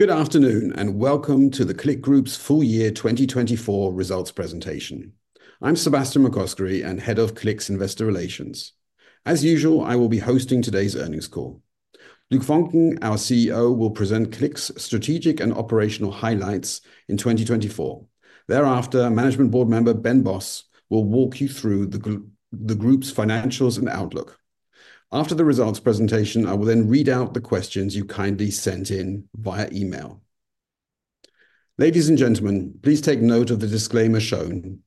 Good afternoon and welcome to the CLIQ Group's full year 2024 results presentation. I'm Sebastian McCoskrie and Head of CLIQ's Investor Relations. As usual, I will be hosting today's earnings call. Luc Voncken, our CEO, will present CLIQ's strategic and operational highlights in 2024. Thereafter, Management Board Member Ben Bos will walk you through the group's financials and outlook. After the results presentation, I will then read out the questions you kindly sent in via email. Ladies and gentlemen, please take note of the disclaimer shown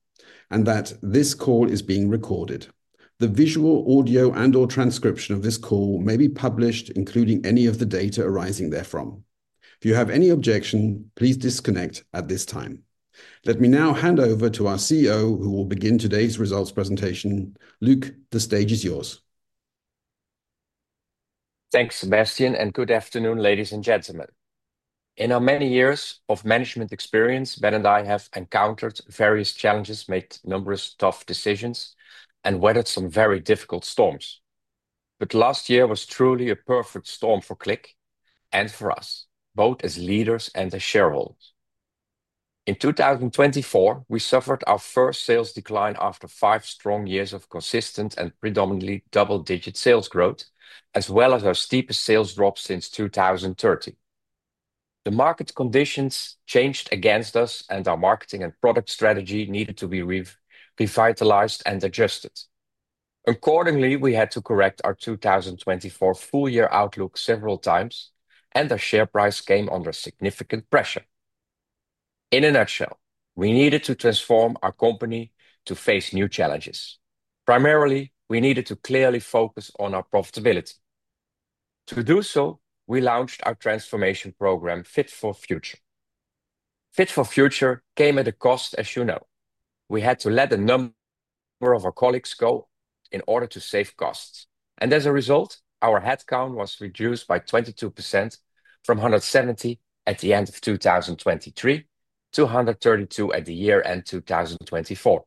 and that this call is being recorded. The visual, audio, and/or transcription of this call may be published, including any of the data arising therefrom. If you have any objection, please disconnect at this time. Let me now hand over to our CEO, who will begin today's results presentation. Luc, the stage is yours. Thanks, Sebastian, and good afternoon, ladies and gentlemen. In our many years of management experience, Ben and I have encountered various challenges, made numerous tough decisions, and weathered some very difficult storms. Last year was truly a perfect storm for CLIQ and for us, both as leaders and as shareholders. In 2024, we suffered our first sales decline after five strong years of consistent and predominantly double-digit sales growth, as well as our steepest sales drop since 2013. The market conditions changed against us, and our marketing and product strategy needed to be revitalized and adjusted. Accordingly, we had to correct our 2024 full year outlook several times, and our share price came under significant pressure. In a nutshell, we needed to transform our company to face new challenges. Primarily, we needed to clearly focus on our profitability. To do so, we launched our transformation program, Fit for Future. Fit for Future came at a cost, as you know. We had to let a number of our colleagues go in order to save costs. As a result, our headcount was reduced by 22% from 170 at the end of 2023 to 132 at the year-end 2024.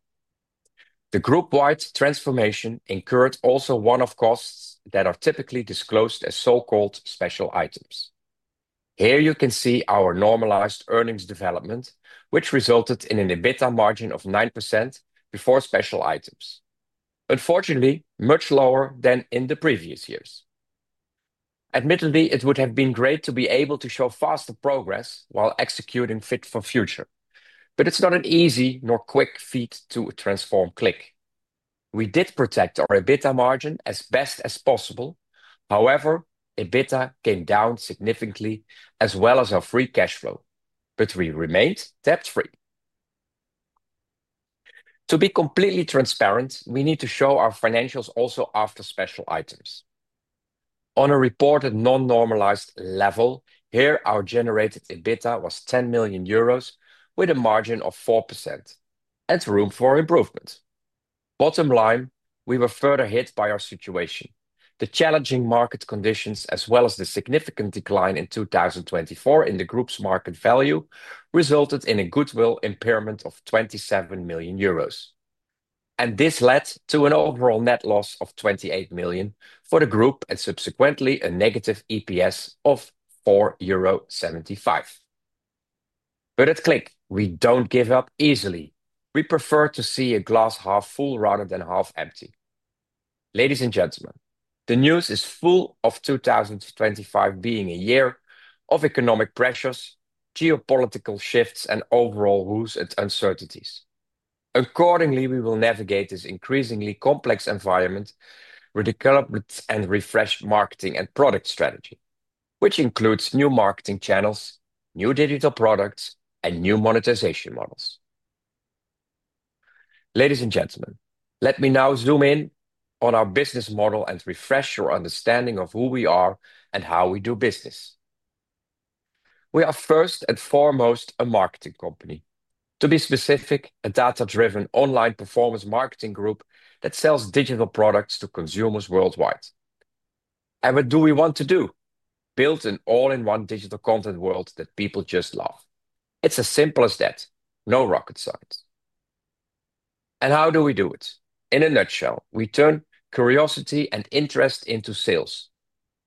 The group-wide transformation incurred also one-off costs that are typically disclosed as so-called special items. Here you can see our normalized earnings development, which resulted in an EBITDA margin of 9% before special items, unfortunately much lower than in the previous years. Admittedly, it would have been great to be able to show faster progress while executing Fit for Future, but it's not an easy nor quick feat to transform CLIQ. We did protect our EBITDA margin as best as possible. However, EBITDA came down significantly, as well as our free cash flow, but we remained debt-free. To be completely transparent, we need to show our financials also after special items. On a reported non-normalized level, here our generated EBITDA was 10 million euros with a margin of 4%. That is room for improvement. Bottom line, we were further hit by our situation. The challenging market conditions, as well as the significant decline in 2024 in the group's market value, resulted in a goodwill impairment of 27 million euros. This led to an overall net loss of 28 million for the group and subsequently a negative EPS of 4.75 euro. At CLIQ, we do not give up easily. We prefer to see a glass half full rather than half empty. Ladies and gentlemen, the news is full of 2025 being a year of economic pressures, geopolitical shifts, and overall rules and uncertainties. Accordingly, we will navigate this increasingly complex environment with development and refreshed marketing and product strategy, which includes new marketing channels, new digital products, and new monetization models. Ladies and gentlemen, let me now zoom in on our business model and refresh your understanding of who we are and how we do business. We are first and foremost a marketing company. To be specific, a data-driven online performance marketing group that sells digital products to consumers worldwide. And what do we want to do? Build an all-in-one digital content world that people just love. It's as simple as that. No rocket science. How do we do it? In a nutshell, we turn curiosity and interest into sales.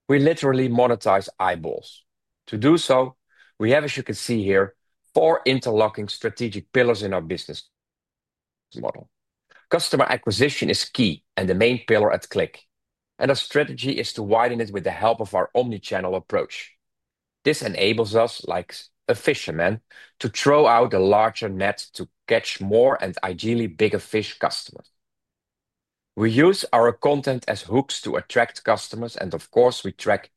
We literally monetize eyeballs. To do so, we have, as you can see here, four interlocking strategic pillars in our business model. Customer acquisition is key and the main pillar at CLIQ. Our strategy is to widen it with the help of our omnichannel approach. This enables us, like a fisherman, to throw out a larger net to catch more and ideally bigger fish customers. We use our content as hooks to attract customers. Of course, we track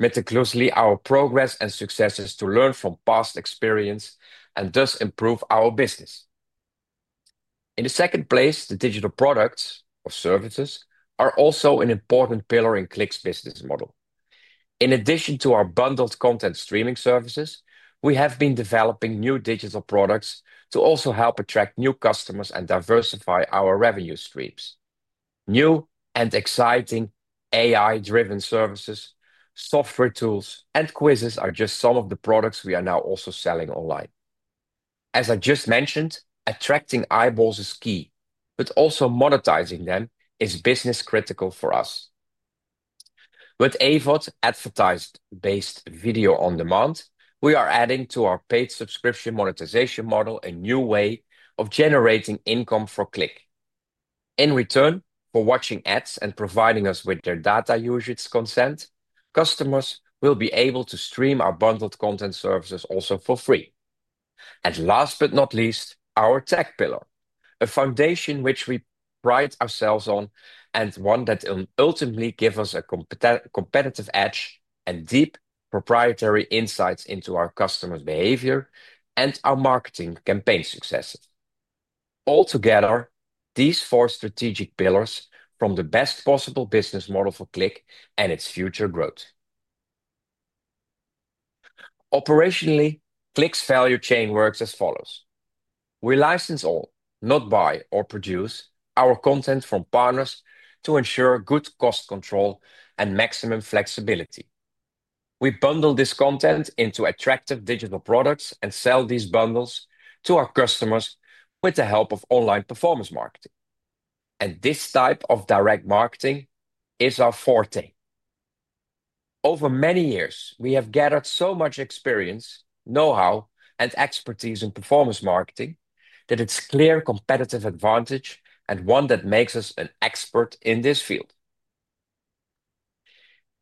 meticulously our progress and successes to learn from past experience and thus improve our business. In the second place, the digital products or services are also an important pillar in CLIQ's business model. In addition to our bundled content streaming services, we have been developing new digital products to also help attract new customers and diversify our revenue streams. New and exciting AI-driven services, software tools, and quizzes are just some of the products we are now also selling online. As I just mentioned, attracting eyeballs is key, but also monetizing them is business-critical for us. With AVOD, advertising-based video on demand, we are adding to our paid subscription monetization model a new way of generating income for CLIQ. In return for watching ads and providing us with their data usage consent, customers will be able to stream our bundled content services also for free. Last but not least, our tech pillar, a foundation which we pride ourselves on and one that will ultimately give us a competitive edge and deep proprietary insights into our customers' behavior and our marketing campaign successes. Altogether, these four strategic pillars form the best possible business model for CLIQ and its future growth. Operationally, CLIQ's value chain works as follows. We license all, not buy or produce, our content from partners to ensure good cost control and maximum flexibility. We bundle this content into attractive digital products and sell these bundles to our customers with the help of online performance marketing. This type of direct marketing is our forte. Over many years, we have gathered so much experience, know-how, and expertise in performance marketing that it's a clear competitive advantage and one that makes us an expert in this field.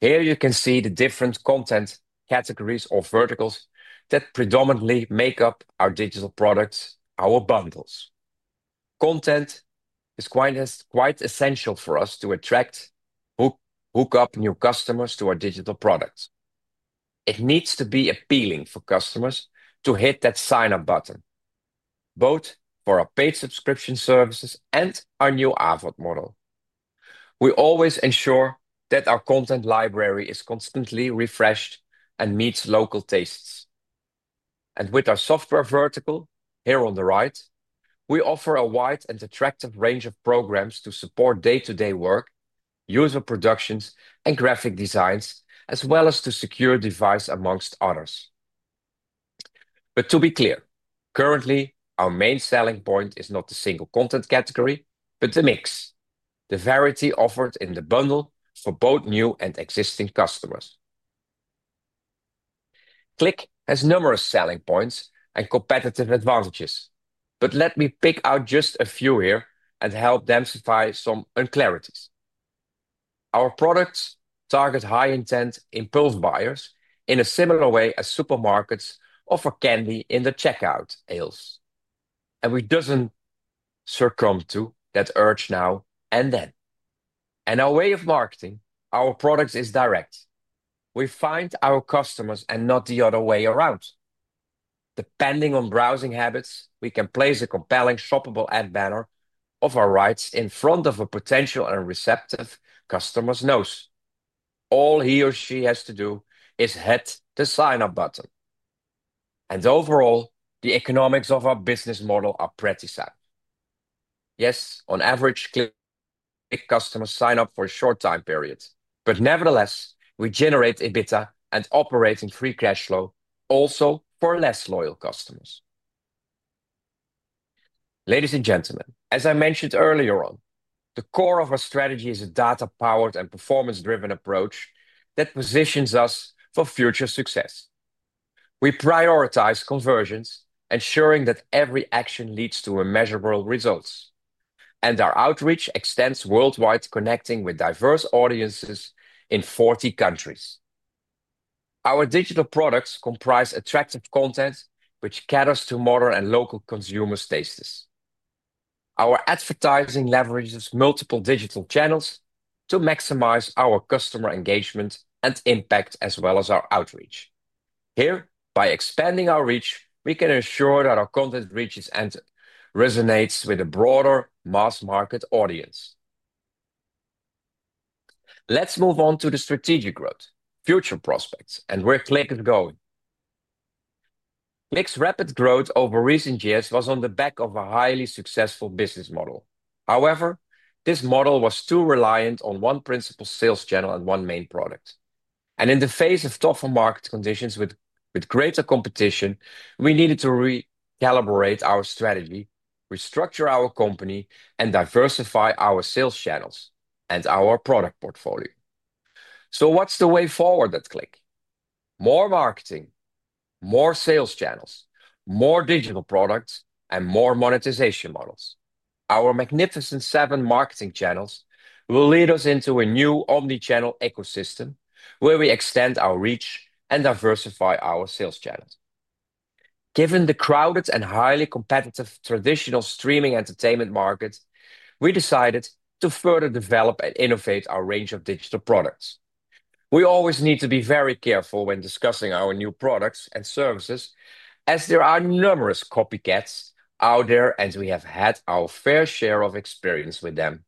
Here you can see the different content categories or verticals that predominantly make up our digital products, our bundles. Content is quite essential for us to attract, hook up new customers to our digital products. It needs to be appealing for customers to hit that sign-up button, both for our paid subscription services and our new AVOD model. We always ensure that our content library is constantly refreshed and meets local tastes. With our software vertical here on the right, we offer a wide and attractive range of programs to support day-to-day work, user productions, and graphic designs, as well as to secure devices, amongst others. To be clear, currently, our main selling point is not the single content category, but the mix, the variety offered in the bundle for both new and existing customers. CLIQ has numerous selling points and competitive advantages but let me pick out just a few here and help demystify some unclarities. Our products target high-intent impulse buyers in a similar way as supermarkets offer candy in the checkout aisles. Who does not succumb to that urge now and then. Our way of marketing our products is direct. We find our customers and not the other way around. Depending on browsing habits, we can place a compelling shoppable ad banner of our rights in front of a potential and receptive customer's nose. All he or she has to do is hit the sign-up button. Overall, the economics of our business model are pretty sound. Yes, on average, CLIQ customers sign up for a short time period, but nevertheless, we generate EBITDA and operating free cash flow also for less loyal customers. Ladies and gentlemen, as I mentioned earlier on, the core of our strategy is a data-powered and performance-driven approach that positions us for future success. We prioritize conversions, ensuring that every action leads to measurable results. Our outreach extends worldwide, connecting with diverse audiences in 40 countries. Our digital products comprise attractive content, which caters to modern and local consumer tastes. Our advertising leverages multiple digital channels to maximize our customer engagement and impact, as well as our outreach. Here, by expanding our reach, we can ensure that our content reaches and resonates with a broader mass market audience. Let's move on to the strategic growth, future prospects, and where CLIQ is going. CLIQ's rapid growth over recent years was on the back of a highly successful business model. However, this model was too reliant on one principal sales channel and one main product. In the face of tougher market conditions with greater competition, we needed to recalibrate our strategy, restructure our company, and diversify our sales channels and our product portfolio. What's the way forward at CLIQ? More marketing, more sales channels, more digital products, and more monetization models. Our Magnificent Seven marketing channels will lead us into a new omnichannel ecosystem where we extend our reach and diversify our sales channels. Given the crowded and highly competitive traditional streaming entertainment market, we decided to further develop and innovate our range of digital products. We always need to be very careful when discussing our new products and services, as there are numerous copycats out there, and we have had our fair share of experience with them.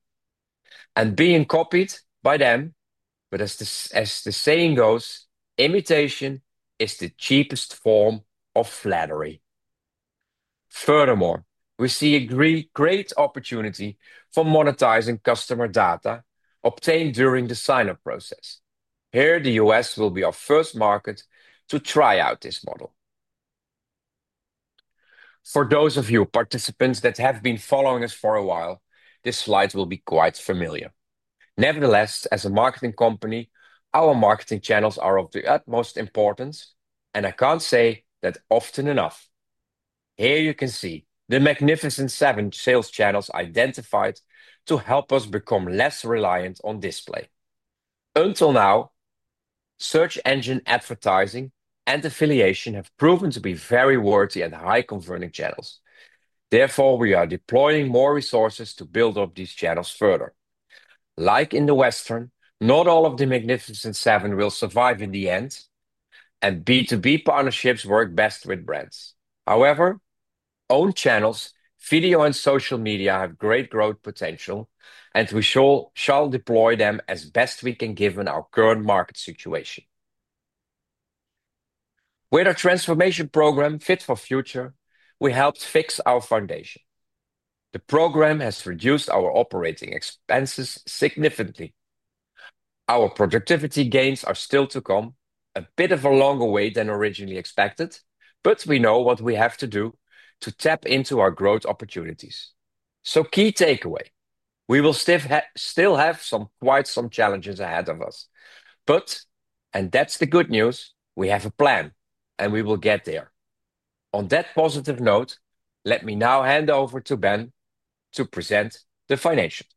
Being copied by them, as the saying goes, imitation is the cheapest form of flattery. Furthermore, we see a great opportunity for monetizing customer data obtained during the sign-up process. Here, the U.S. will be our first market to try out this model. For those of you participants that have been following us for a while, this slide will be quite familiar. Nevertheless, as a marketing company, our marketing channels are of the utmost importance, and I can't say that often enough. Here you can see the Magnificent Seven sales channels identified to help us become less reliant on display. Until now, search engine advertising and affiliation have proven to be very worthy and high-converting channels. Therefore, we are deploying more resources to build up these channels further. Like in the Western, not all of the Magnificent Seven will survive in the end, and B2B partnerships work best with brands. However, own channels, video, and social media have great growth potential, and we shall deploy them as best we can given our current market situation. With our transformation program, Fit for Future, we helped fix our foundation. The program has reduced our operating expenses significantly. Our productivity gains are still to come a bit of a longer way than originally expected, but we know what we have to do to tap into our growth opportunities. Key takeaway, we will still have some quite some challenges ahead of us. That is the good news, we have a plan, and we will get there. On that positive note, let me now hand over to Ben to present the financials.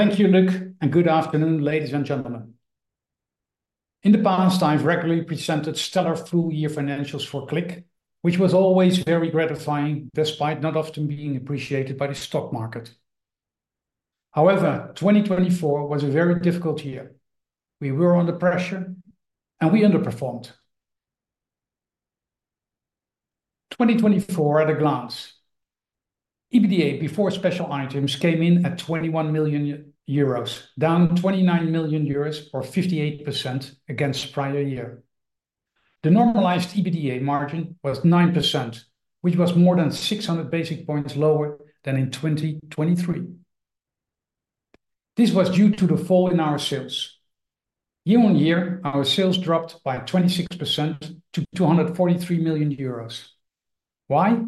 Thank you, Luc, and good afternoon, ladies and gentlemen. In the past, I have regularly presented stellar full-year financials for CLIQ, which was always very gratifying despite not often being appreciated by the stock market. However, 2024 was a very difficult year. We were under pressure, and we underperformed. 2024 at a glance. EBITDA before special items came in at 21 million euros, down 29 million euros or 58% against prior year. The normalized EBITDA margin was 9%, which was more than 600 basis points lower than in 2023. This was due to the fall in our sales. Year on year, our sales dropped by 26% to 243 million euros. Why?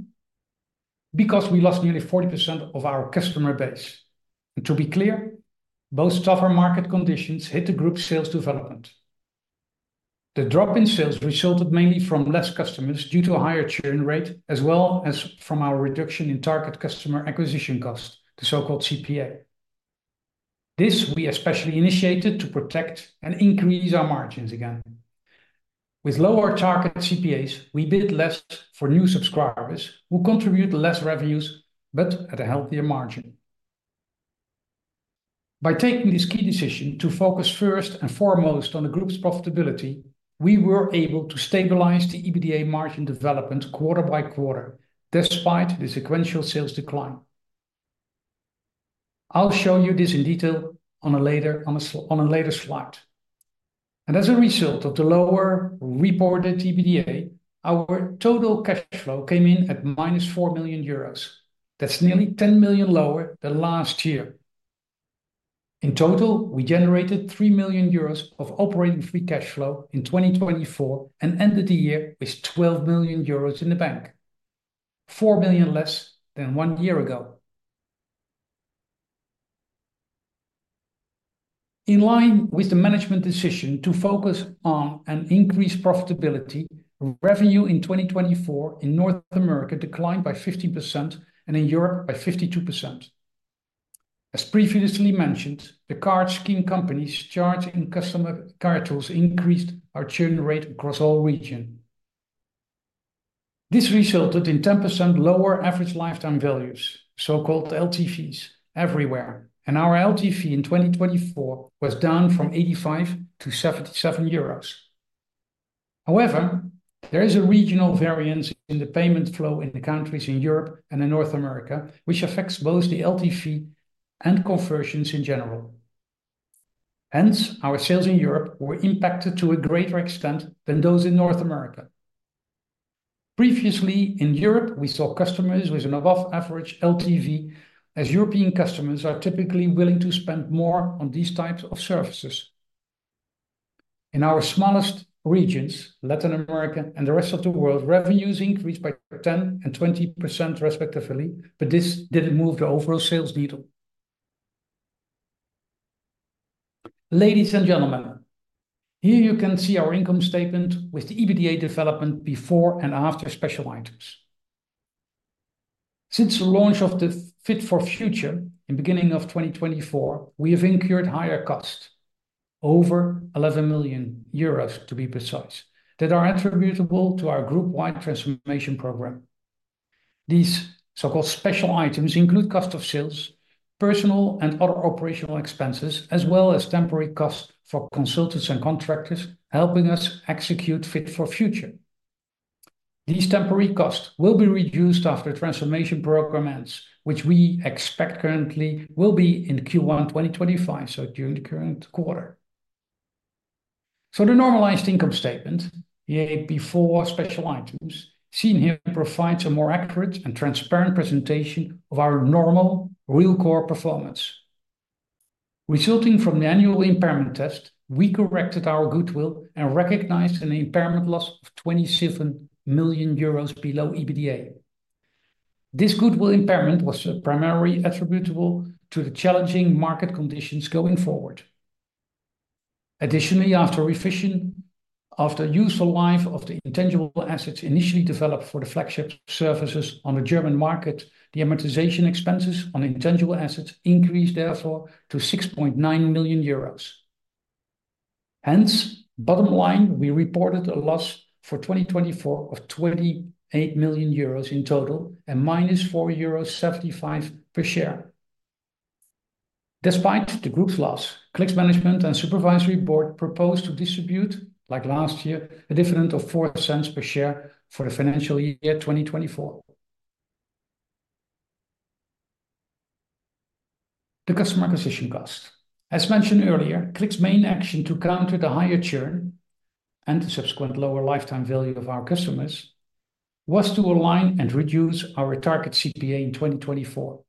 Because we lost nearly 40% of our customer base. To be clear, both tougher market conditions hit the group sales development. The drop in sales resulted mainly from fewer customers due to a higher churn rate, as well as from our reduction in target customer acquisition cost, the so-called CPA. This we especially initiated to protect and increase our margins again. With lower target CPAs, we bid less for new subscribers who contribute less revenues, but at a healthier margin. By taking this key decision to focus first and foremost on the group's profitability, we were able to stabilize the EBITDA margin development quarter by quarter, despite the sequential sales decline. I'll show you this in detail on a later slide. As a result of the lower reported EBITDA, our total cash flow came in at -4 million euros. That's nearly 10 million lower than last year. In total, we generated 3 million euros of operating free cash flow in 2024 and ended the year with 12 million euros in the bank, 4 million less than one year ago. In line with the management decision to focus on and increase profitability, revenue in 2024 in North America declined by 15% and in Europe by 52%. As previously mentioned, the card scheme companies charging customer card rules increased our churn rate across all regions. This resulted in 10% lower average lifetime values, so-called LTVs, everywhere. Our LTV in 2024 was down from 85-77 euros. However, there is a regional variance in the payment flow in the countries in Europe and in North America, which affects both the LTV and conversions in general. Hence, our sales in Europe were impacted to a greater extent than those in North America. Previously, in Europe, we saw customers with an above-average LTV, as European customers are typically willing to spend more on these types of services. In our smallest regions, Latin America and the rest of the world, revenues increased by 10% and 20% respectively, but this did not move the overall sales needle. Ladies and gentlemen, here you can see our income statement with the EBITDA development before and after special items. Since the launch of the Fit for Future in the beginning of 2024, we have incurred higher costs, over 11 million euros, to be precise, that are attributable to our group-wide transformation program. These so-called special items include cost of sales, personnel and other operational expenses, as well as temporary costs for consultants and contractors, helping us execute Fit for Future. These temporary costs will be reduced after the transformation program ends, which we expect currently will be in Q1 2025, during the current quarter. The normalized income statement, the before special items seen here, provides a more accurate and transparent presentation of our normal real core performance. Resulting from the annual impairment test, we corrected our goodwill and recognized an impairment loss of 27 million euros below EBITDA. This goodwill impairment was primarily attributable to the challenging market conditions going forward. Additionally, after useful life of the intangible assets initially developed for the flagship services on the German market, the amortization expenses on intangible assets increased therefore to 6.9 million euros. Hence, bottom line, we reported a loss for 2024 of 28 million euros in total and -4.75 euros per share. Despite the group's loss, CLIQ's management and supervisory board proposed to distribute, like last year, a dividend of 0.04 per share for the financial year 2024. The customer acquisition cost. As mentioned earlier, CLIQ's main action to counter the higher churn and the subsequent lower lifetime value of our customers was to align and reduce our target CPA in 2024.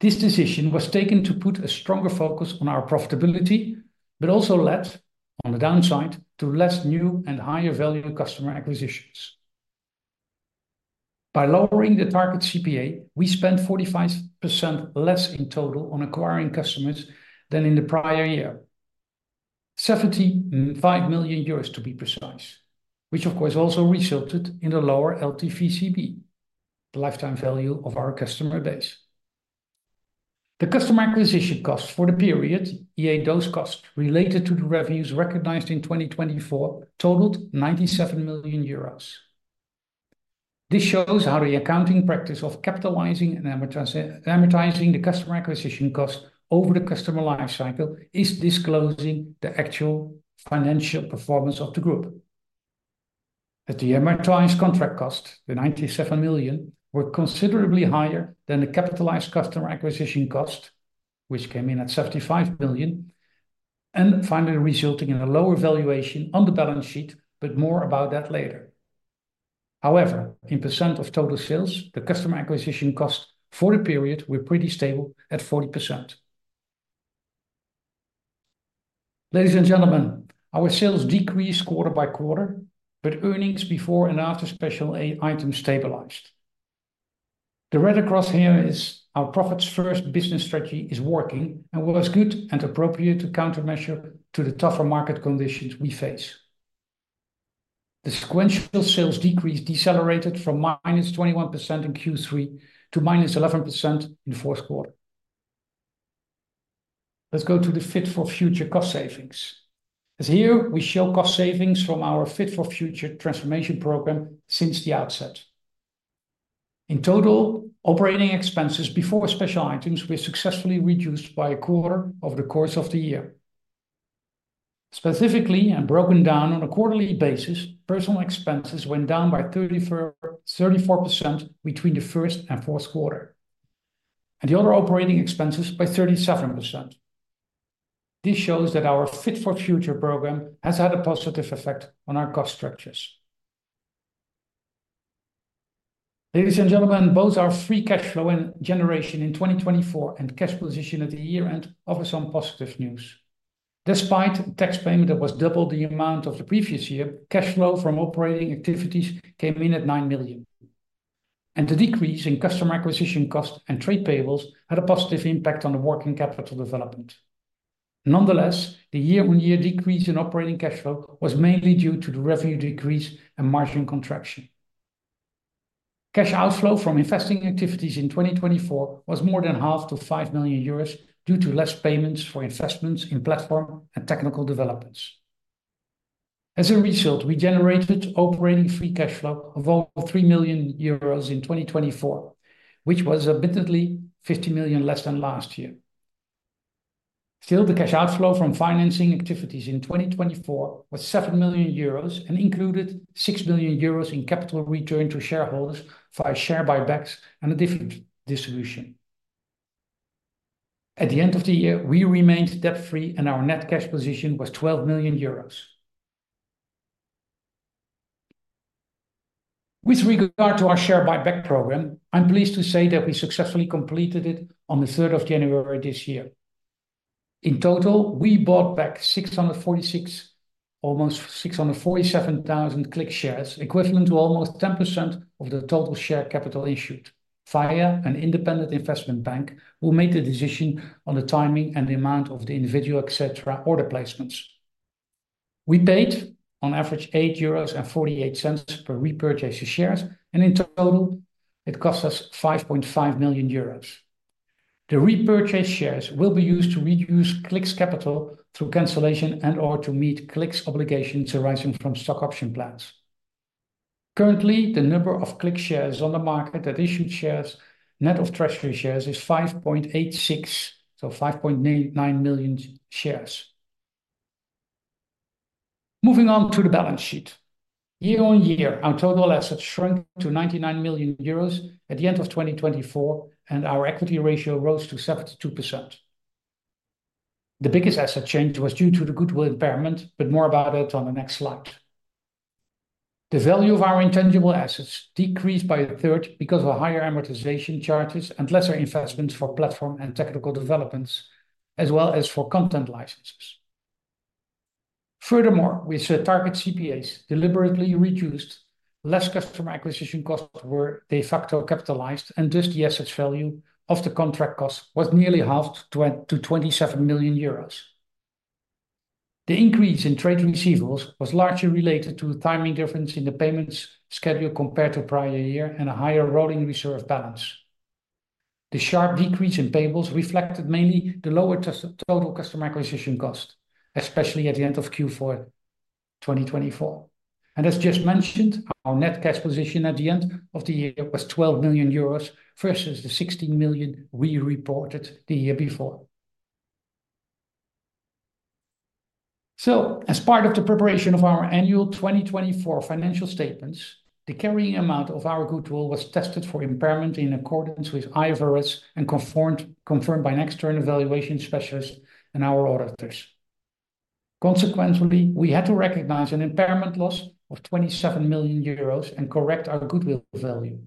This decision was taken to put a stronger focus on our profitability, but also led, on the downside, to less new and higher value customer acquisitions. By lowering the target CPA, we spent 45% less in total on acquiring customers than in the prior year, 75 million euros to be precise, which of course also resulted in a lower LTVCB, the lifetime value of our customer base. The customer acquisition cost for the period, i.e., those costs related to the revenues recognized in 2024, totaled 97 million euros. This shows how the accounting practice of capitalizing and amortizing the customer acquisition cost over the customer lifecycle is disclosing the actual financial performance of the group. As the amortized contract cost, the 97 million, were considerably higher than the capitalized customer acquisition cost, which came in at 75 million, and finally resulting in a lower valuation on the balance sheet, but more about that later. However, in % of total sales, the customer acquisition cost for the period were pretty stable at 40%. Ladies and gentlemen, our sales decreased quarter by quarter, but earnings before and after special items stabilized. The red across here is our profits first business strategy is working and was good and appropriate to countermeasure to the tougher market conditions we face. The sequential sales decrease decelerated from -21% in Q3 to -11% in the fourth quarter. Let's go to the Fit for Future cost savings. As here, we show cost savings from our Fit for Future transformation program since the outset. In total, operating expenses before special items were successfully reduced by a quarter over the course of the year. Specifically, and broken down on a quarterly basis, personnel expenses went down by 34% between the first and fourth quarter, and the other operating expenses by 37%. This shows that our Fit for Future program has had a positive effect on our cost structures. Ladies and gentlemen, both our free cash flow and generation in 2024 and cash position at the year-end offers some positive news. Despite tax payment that was double the amount of the previous year, cash flow from operating activities came in at 9 million. The decrease in customer acquisition cost and trade payables had a positive impact on the working capital development. Nonetheless, the year-on-year decrease in operating cash flow was mainly due to the revenue decrease and margin contraction. Cash outflow from investing activities in 2024 was more than half to 5 million euros due to less payments for investments in platform and technical developments. As a result, we generated operating free cash flow of over 3 million euros in 2024, which was admittedly 50 million less than last year. Still, the cash outflow from financing activities in 2024 was 7 million euros and included 6 million euros in capital return to shareholders via share buybacks and a dividend distribution. At the end of the year, we remained debt-free and our net cash position was 12 million euros. With regard to our share buyback program, I'm pleased to say that we successfully completed it on the 3rd of January this year. In total, we bought back 646,000 almost 647,000 CLIQ shares, equivalent to almost 10% of the total share capital issued. Via an independent investment bank, we made the decision on the timing and the amount of the individual Xetra order placements. We paid on average 8.48 euros per repurchased shares, and in total, it cost us 5.5 million euros. The repurchased shares will be used to reduce CLIQ's capital through cancellation and/or to meet CLIQ's obligations arising from stock option plans. Currently, the number of CLIQ shares on the market that issued shares, net of treasury shares, is 5.86, so 5.9 million shares. Moving on to the balance sheet. Year on year, our total assets shrank to 99 million euros at the end of 2024, and our equity ratio rose to 72%. The biggest asset change was due to the goodwill impairment, but more about it on the next slide. The value of our intangible assets decreased by a third because of higher amortization charges and lesser investments for platform and technical developments, as well as for content licenses. Furthermore, with the target CPAs deliberately reduced, less customer acquisition costs were de facto capitalized, and thus the asset value of the contract cost was nearly halved to 27 million euros. The increase in trade receivables was largely related to the timing difference in the payments schedule compared to prior year and a higher rolling reserve balance. The sharp decrease in payables reflected mainly the lower total customer acquisition cost, especially at the end of Q4 2024. As just mentioned, our net cash position at the end of the year was 12 million euros versus the 16 million we reported the year before. As part of the preparation of our annual 2024 financial statements, the carrying amount of our goodwill was tested for impairment in accordance with IFRS and confirmed by an external valuation specialist and our auditors. Consequently, we had to recognize an impairment loss of 27 million euros and correct our goodwill value.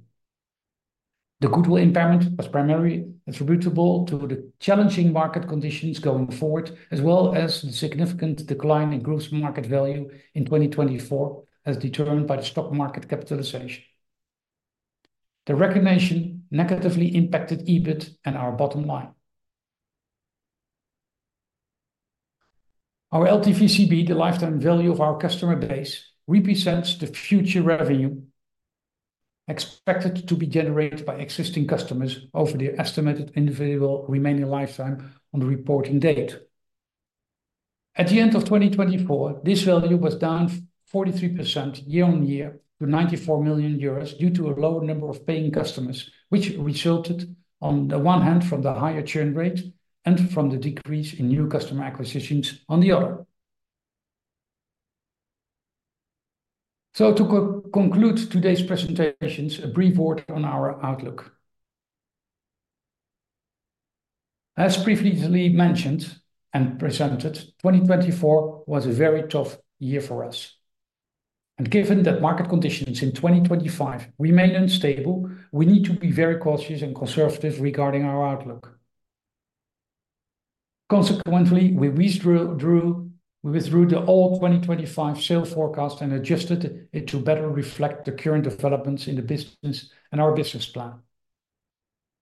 The goodwill impairment was primarily attributable to the challenging market conditions going forward, as well as the significant decline in group's market value in 2024, as determined by the stock market capitalization. The recognition negatively impacted EBIT and our bottom line. Our LTVCB, the lifetime value of our customer base, represents the future revenue expected to be generated by existing customers over the estimated individual remaining lifetime on the reporting date. At the end of 2024, this value was down 43% year-on-year to 94 million euros due to a lower number of paying customers, which resulted on the one hand from the higher churn rate and from the decrease in new customer acquisitions on the other. To conclude today's presentations, a brief word on our outlook. As briefly mentioned and presented, 2024 was a very tough year for us. Given that market conditions in 2025 remain unstable, we need to be very cautious and conservative regarding our outlook. Consequently, we withdrew the all 2025 sales forecast and adjusted it to better reflect the current developments in the business and our business plan.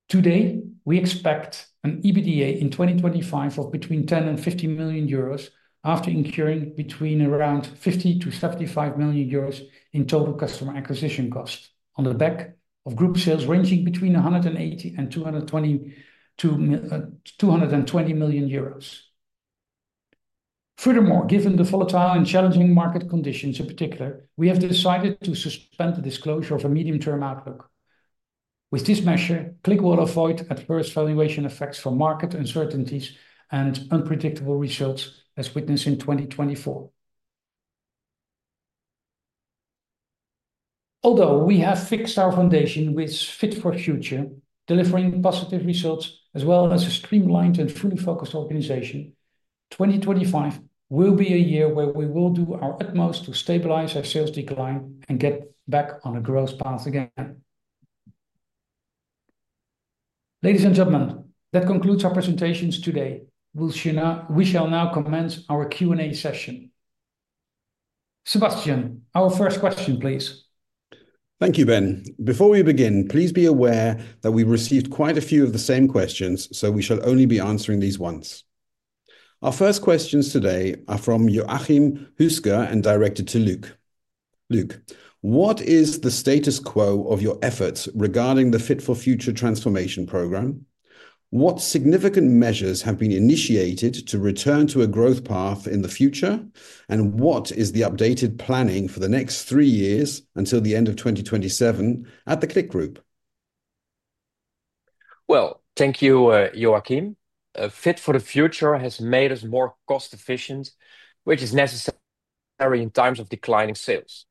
Today, we expect an EBITDA in 2025 of between 10 million euros and EUR 15 million after incurring between around 50 million-75 million euros in total customer acquisition cost on the back of group sales ranging between 180 million and 220 million euros. Furthermore, given the volatile and challenging market conditions in particular, we have decided to suspend the disclosure of a medium-term outlook. With this measure, CLIQ will avoid adverse valuation effects from market uncertainties and unpredictable results as witnessed in 2024. Although we have fixed our foundation with Fit for Future, delivering positive results as well as a streamlined and fully focused organization, 2025 will be a year where we will do our utmost to stabilize our sales decline and get back on a growth path again. Ladies and gentlemen, that concludes our presentations today. We shall now commence our Q&A session. Sebastian, our first question, please. Thank you, Ben. Before we begin, please be aware that we received quite a few of the same questions, so we shall only be answering these once. Our first questions today are from Joachim Huesker and directed to Luc. Luc, what is the status quo of your efforts regarding the Fit for Future transformation program? What significant measures have been initiated to return to a growth path in the future? What is the updated planning for the next three years until the end of 2027 at the CLIQ Group? Thank you, Joachim. Fit for Future has made us more cost-efficient, which is necessary in times of declining sales.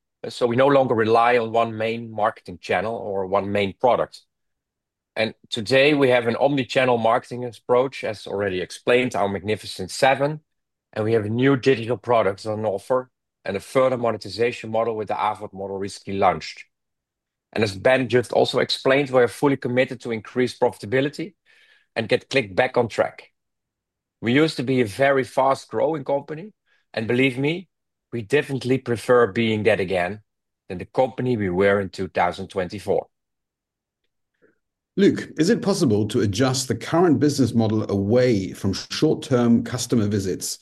We no longer rely on one main marketing channel or one main product. Today we have an omnichannel marketing approach, as already explained, our Magnificent Seven, and we have a new digital product on offer and a further monetization model with the AVOD model recently launched. As Ben just also explained, we are fully committed to increase profitability and get CLIQ back on track. We used to be a very fast-growing company, and believe me, we definitely prefer being that again than the company we were in 2024. Luc, is it possible to adjust the current business model away from short-term customer visits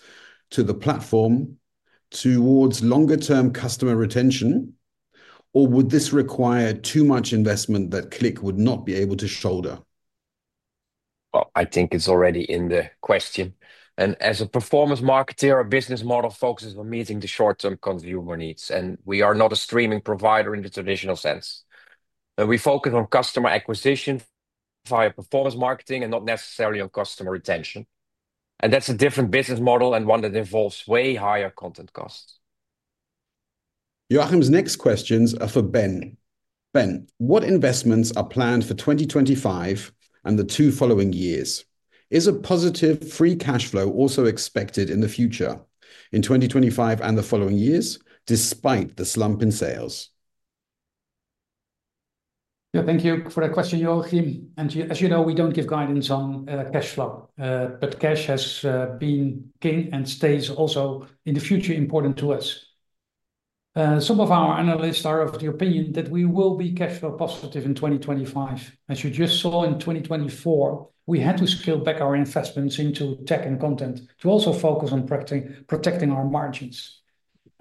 to the platform towards longer-term customer retention, or would this require too much investment that CLIQ would not be able to shoulder? I think it's already in the question. As a performance marketer or business model, focuses on meeting the short-term consumer needs, and we are not a streaming provider in the traditional sense. We focus on customer acquisition via performance marketing and not necessarily on customer retention. That is a different business model and one that involves way higher content costs. Joachim's next questions are for Ben. Ben, what investments are planned for 2025 and the two following years? Is a positive free cash flow also expected in the future in 2025 and the following years, despite the slump in sales? Yeah, thank you for the question, Joachim. As you know, we do not give guidance on cash flow, but cash has been king and stays also in the future important to us. Some of our analysts are of the opinion that we will be cash flow positive in 2025. As you just saw in 2024, we had to scale back our investments into tech and content to also focus on protecting our margins.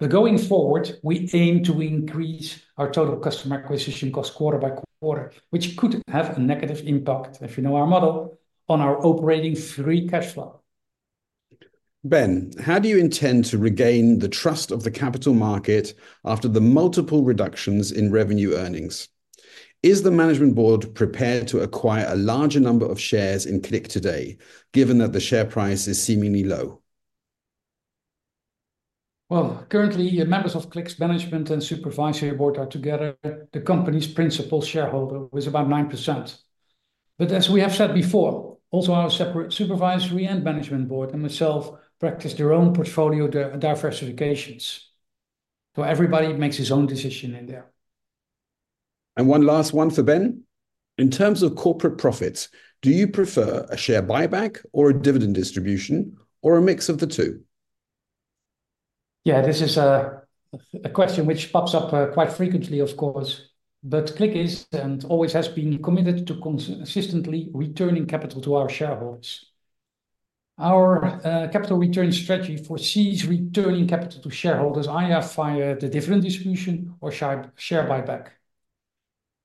Going forward, we aim to increase our total customer acquisition cost quarter by quarter, which could have a negative impact, if you know our model, on our operating free cash flow. Ben, how do you intend to regain the trust of the capital market after the multiple reductions in revenue earnings? Is the management board prepared to acquire a larger number of shares in CLIQ today, given that the share price is seemingly low? Currently, your members of CLIQ's management and supervisory board are together the company's principal shareholder with about 9%. As we have said before, also our separate supervisory and management board and myself practice their own portfolio diversifications. Everybody makes his own decision in there. One last one for Ben. In terms of corporate profits, do you prefer a share buyback or a dividend distribution or a mix of the two? Yeah, this is a question which pops up quite frequently, of course, but CLIQ is and always has been committed to consistently returning capital to our shareholders. Our capital return strategy foresees returning capital to shareholders either via the dividend distribution or share buyback.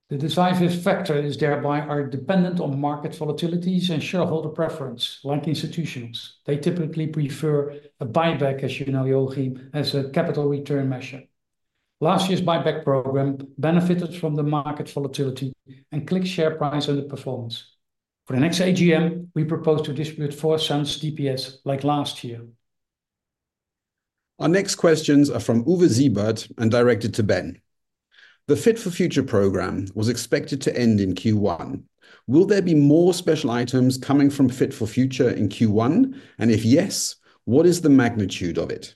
The decisive factors thereby are dependent on market volatilities and shareholder preference, like institutions. They typically prefer a buyback, as you know, Joachim, as a capital return measure. Last year's buyback program benefited from the market volatility and CLIQ share price and the performance. For the next AGM, we propose to distribute 0.04 DPS like last year. Our next questions are from Ove Zybok and directed to Ben. The Fit for Future program was expected to end in Q1. Will there be more special items coming from Fit for Future in Q1? If yes, what is the magnitude of it?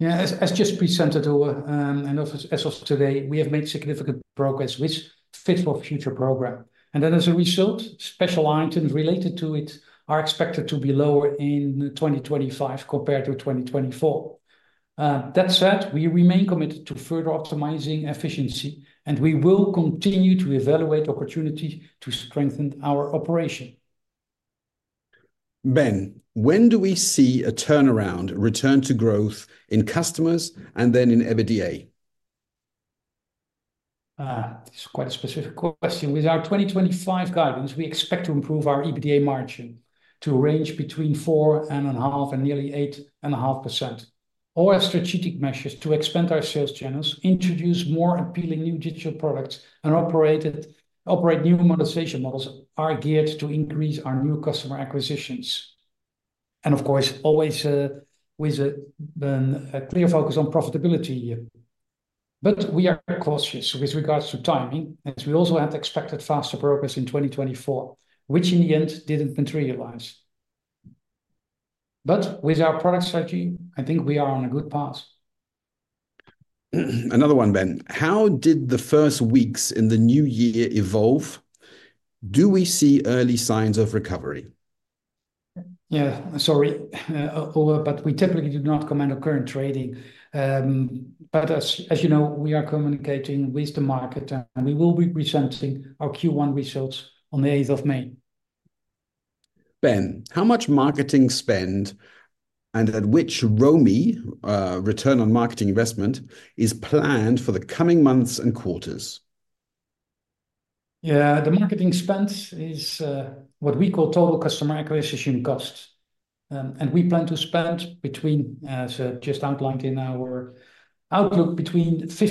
Yeah, as just presented to us and as of today, we have made significant progress with Fit for Future program. As a result, special items related to it are expected to be lower in 2025 compared to 2024. That said, we remain committed to further optimizing efficiency, and we will continue to evaluate opportunities to strengthen our operation. Ben, when do we see a turnaround return to growth in customers and then in EBITDA? This is quite a specific question. With our 2025 guidance, we expect to improve our EBITDA margin to range between 4.5% and nearly 8.5%. All our strategic measures to expand our sales channels, introduce more appealing new digital products, and operate new monetization models are geared to increase our new customer acquisitions. Of course, always with a clear focus on profitability here. We are cautious with regards to timing, as we also had expected faster progress in 2024, which in the end did not materialize. With our product strategy, I think we are on a good path. Another one, Ben. How did the first weeks in the new year evolve? Do we see early signs of recovery? Yeah, sorry, Ove, but we typically do not comment on current trading. As you know, we are communicating with the market, and we will be presenting our Q1 results on the 8th of May. Ben, how much marketing spend and at which ROMI, return on marketing investment, is planned for the coming months and quarters? Yeah, the marketing spend is what we call total customer acquisition cost. We plan to spend between 50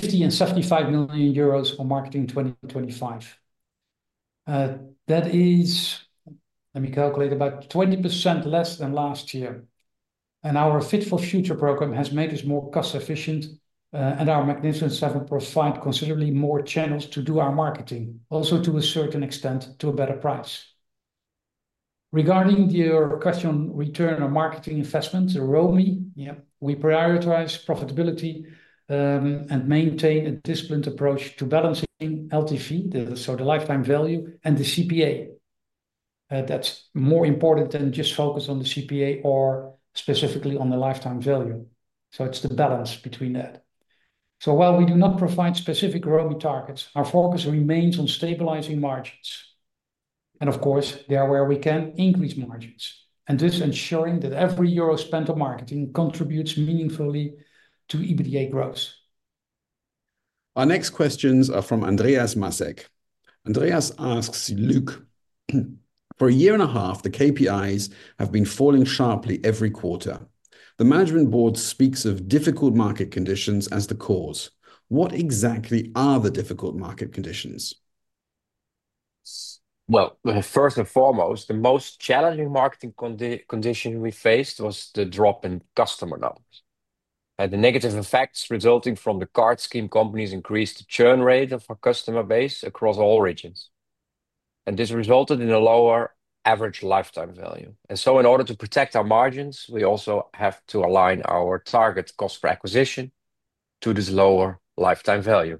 million and 75 million euros for marketing 2025. That is, let me calculate, about 20% less than last year. Our Fit for Future program has made us more cost-efficient, and our Magnificent Seven provide considerably more channels to do our marketing, also to a certain extent to a better price. Regarding your question on return on marketing investments, ROMI, yeah, we prioritize profitability and maintain a disciplined approach to balancing LTV, so the lifetime value, and the CPA. That's more important than just focus on the CPA or specifically on the lifetime value. It's the balance between that. While we do not provide specific ROMI targets, our focus remains on stabilizing margins. Of course, there where we can increase margins. This ensuring that every euro spent on marketing contributes meaningfully to EBITDA growth. Our next questions are from Andreas Massek. Andreas asks Luc, for a year and a half, the KPIs have been falling sharply every quarter. The management board speaks of difficult market conditions as the cause. What exactly are the difficult market conditions? First and foremost, the most challenging marketing condition we faced was the drop in customer numbers. The negative effects resulting from the card scheme companies increased the churn rate of our customer base across all regions. This resulted in a lower average lifetime value. In order to protect our margins, we also have to align our target cost per acquisition to this lower lifetime value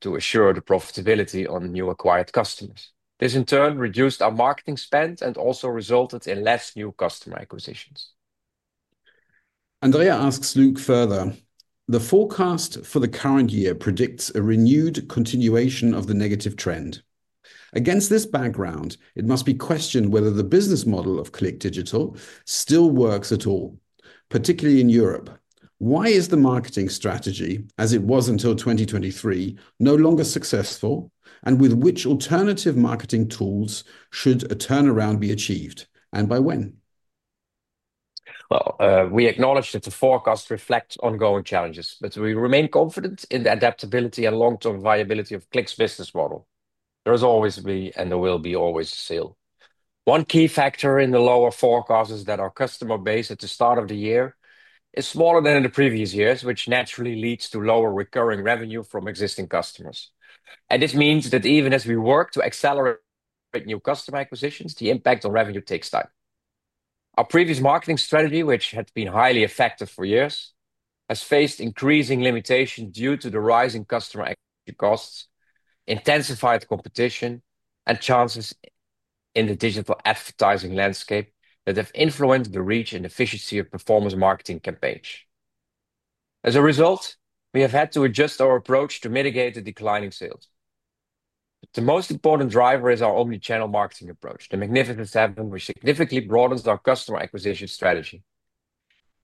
to assure the profitability on new acquired customers. This in turn reduced our marketing spend and also resulted in less new customer acquisitions. Andreas asks Luc further. The forecast for the current year predicts a renewed continuation of the negative trend. Against this background, it must be questioned whether the business model of CLIQ Digital still works at all, particularly in Europe. Why is the marketing strategy, as it was until 2023, no longer successful? With which alternative marketing tools should a turnaround be achieved, and by when? We acknowledge that the forecast reflects ongoing challenges, but we remain confident in the adaptability and long-term viability of CLIQ's business model. There will always be and there will be always a sale. One key factor in the lower forecast is that our customer base at the start of the year is smaller than in the previous years, which naturally leads to lower recurring revenue from existing customers. This means that even as we work to accelerate new customer acquisitions, the impact on revenue takes time. Our previous marketing strategy, which had been highly effective for years, has faced increasing limitations due to the rising customer acquisition costs, intensified competition, and changes in the digital advertising landscape that have influenced the reach and efficiency of performance marketing campaigns. As a result, we have had to adjust our approach to mitigate the declining sales. The most important driver is our omnichannel marketing approach. The Magnificent Seven, we significantly broadened our customer acquisition strategy.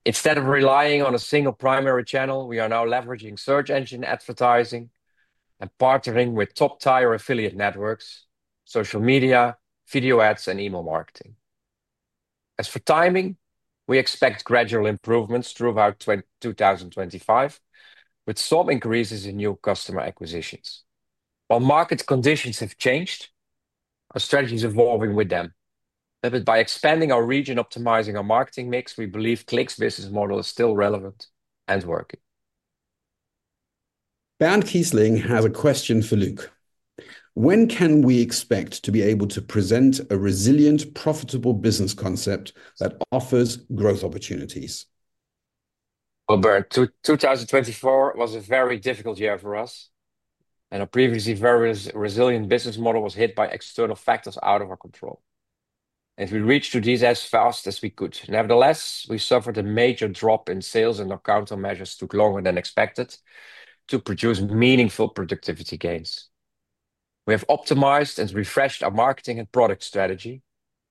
Instead of relying on a single primary channel, we are now leveraging search engine advertising and partnering with top-tier affiliate networks, social media, video ads, and email marketing. As for timing, we expect gradual improvements throughout 2025, with some increases in new customer acquisitions. While market conditions have changed, our strategy is evolving with them. By expanding our region, optimizing our marketing mix, we believe CLIQ's business model is still relevant and working. Bernd Kiesling has a question for Luc. When can we expect to be able to present a resilient, profitable business concept that offers growth opportunities? Bernd, 2024 was a very difficult year for us. Our previously very resilient business model was hit by external factors out of our control. We reached to these as fast as we could. Nevertheless, we suffered a major drop in sales, and our countermeasures took longer than expected to produce meaningful productivity gains. We have optimized and refreshed our marketing and product strategy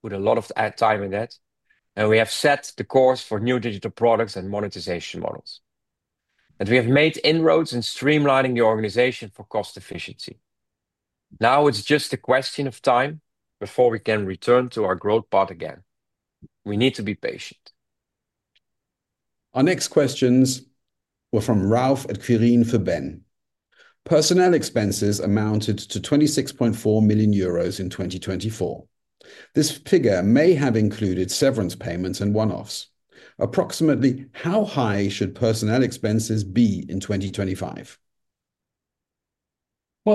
with a lot of time in that. We have set the course for new digital products and monetization models. We have made inroads in streamlining the organization for cost efficiency. Now it is just a question of time before we can return to our growth path again. We need to be patient. Our next questions were from Ralf at Quirin for Ben. Personnel expenses amounted to 26.4 million euros in 2024. This figure may have included severance payments and one-offs. Approximately how high should personnel expenses be in 2025?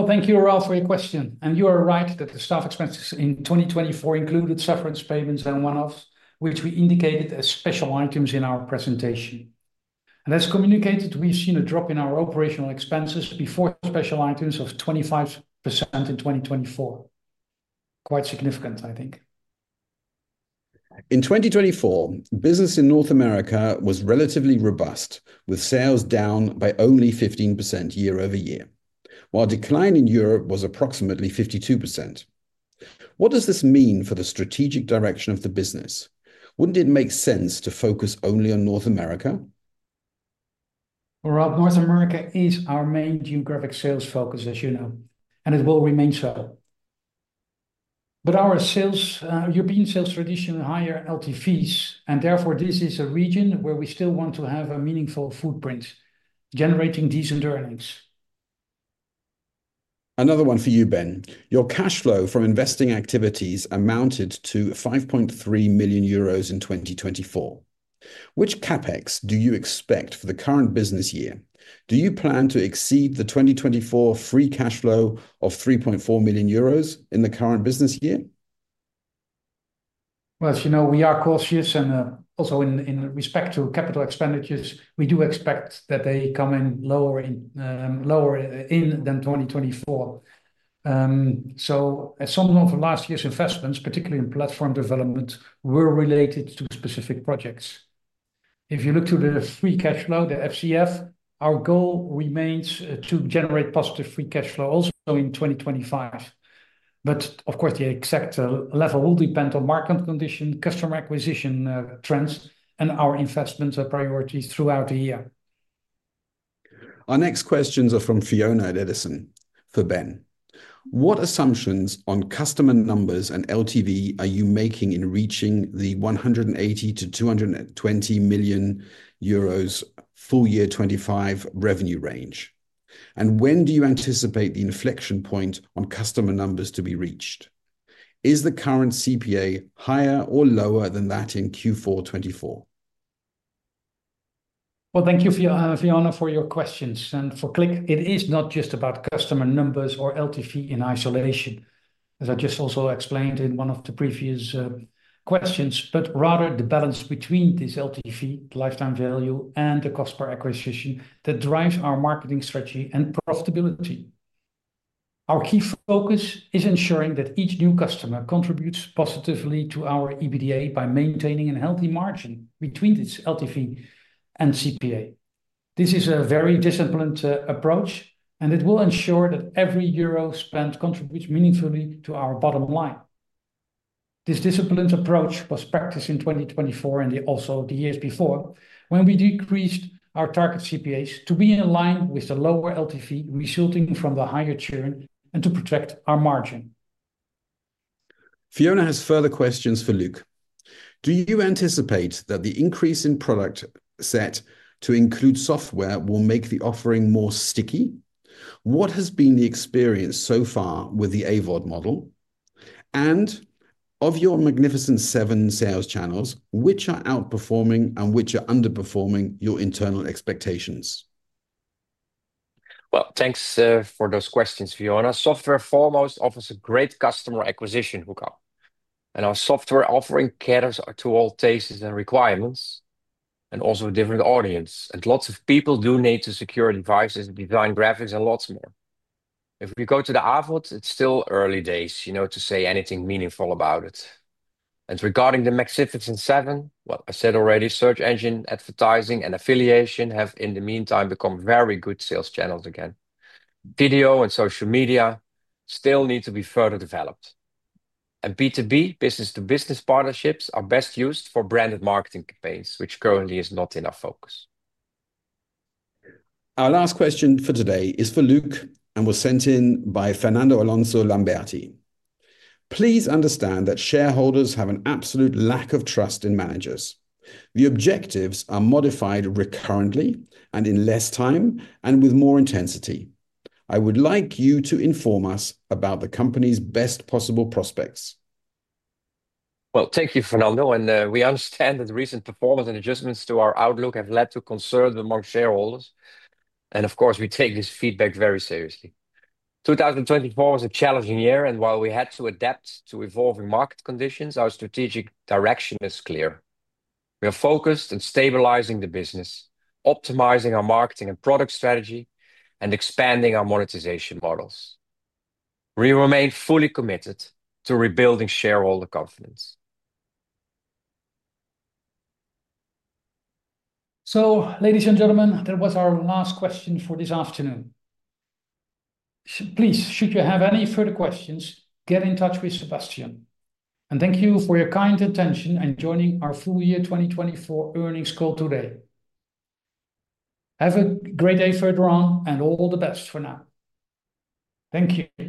Thank you, Ralf, for your question. You are right that the staff expenses in 2024 included severance payments and one-offs, which we indicated as special items in our presentation. As communicated, we've seen a drop in our operational expenses before special items of 25% in 2024. Quite significant, I think. In 2024, business in North America was relatively robust, with sales down by only 15% year over year, while decline in Europe was approximately 52%. What does this mean for the strategic direction of the business? Wouldn't it make sense to focus only on North America? Ralf, North America is our main geographic sales focus, as you know, and it will remain so. Our European sales traditionally have higher LTVs, and therefore this is a region where we still want to have a meaningful footprint generating decent earnings. Another one for you, Ben. Your cash flow from investing activities amounted to 5.3 million euros in 2024. Which CapEx do you expect for the current business year? Do you plan to exceed the 2024 free cash flow of 3.4 million euros in the current business year? As you know, we are cautious, and also in respect to capital expenditures, we do expect that they come in lower than in 2024. Some of last year's investments, particularly in platform development, were related to specific projects. If you look to the free cash flow, the FCF, our goal remains to generate positive free cash flow also in 2025. Of course, the exact level will depend on market condition, customer acquisition trends, and our investment priorities throughout the year. Our next questions are from Fiona at Edison for Ben. What assumptions on customer numbers and LTV are you making in reaching the 180 million-220 million euros full year 2025 revenue range? When do you anticipate the inflection point on customer numbers to be reached? Is the current CPA higher or lower than that in Q4 2024? Thank you, Fiona, for your questions. For CLIQ, it is not just about customer numbers or LTV in isolation, as I just also explained in one of the previous questions, but rather the balance between this LTV, lifetime value, and the cost per acquisition that drives our marketing strategy and profitability. Our key focus is ensuring that each new customer contributes positively to our EBITDA by maintaining a healthy margin between this LTV and CPA. This is a very disciplined approach, and it will ensure that every euro spent contributes meaningfully to our bottom line. This disciplined approach was practiced in 2024 and also the years before when we decreased our target CPAs to be in line with the lower LTV resulting from the higher churn and to protect our margin. Fiona has further questions for Luc. Do you anticipate that the increase in product set to include software will make the offering more sticky? What has been the experience so far with the AVOD model? Of your Magnificent Seven sales channels, which are outperforming and which are underperforming your internal expectations? Thanks for those questions, Fiona. Software foremost offers a great customer acquisition hookup. Our software offering caters to all tastes and requirements, and also a different audience. Lots of people do need to secure devices, design graphics, and lots more. If we go to the AVOD, it's still early days, you know, to say anything meaningful about it. Regarding the Magnificent Seven, what I said already, search engine advertising and affiliation have in the meantime become very good sales channels again. Video and social media still need to be further developed. B2B, business-to-business partnerships are best used for branded marketing campaigns, which currently is not in our focus. Our last question for today is for Luc and was sent in by Fernando Alonso Lamberti. Please understand that shareholders have an absolute lack of trust in managers. The objectives are modified recurrently and in less time and with more intensity. I would like you to inform us about the company's best possible prospects. Thank you, Fernando. We understand that the recent performance and adjustments to our outlook have led to concerns among shareholders. Of course, we take this feedback very seriously. 2024 was a challenging year. While we had to adapt to evolving market conditions, our strategic direction is clear. We are focused on stabilizing the business, optimizing our marketing and product strategy, and expanding our monetization models. We remain fully committed to rebuilding shareholder confidence. Ladies and gentlemen, that was our last question for this afternoon. Please, should you have any further questions, get in touch with Sebastian. Thank you for your kind attention and joining our full year 2024 earnings call today. Have a great day further on and all the best for now. Thank you.